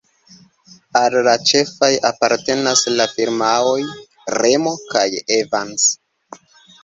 Al la ĉefaj apartenas la firmaoj "Remo" kaj "Evans".